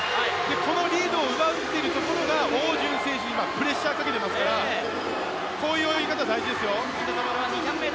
このリードを奪っているところが汪順選手にプレッシャーをかけていますからこういう泳ぎ方、大事ですよ。